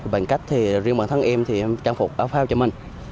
bằng cách thì riêng bản thân em thì em trang phục áo phao cho mình